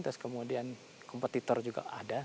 terus kemudian kompetitor juga ada